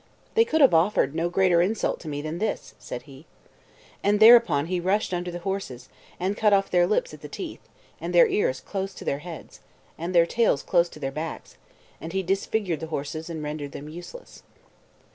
They could have offered no greater insult to me than this," said he. And thereupon he rushed under the horses, and cut off their lips at the teeth, and their ears close to their heads, and their tails close to their backs; and he disfigured the horses, and rendered them useless.